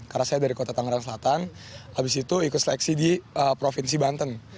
karena saya dari kota tanggerang selatan habis itu ikut seleksi di provinsi banten